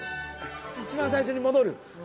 一番最初に戻る？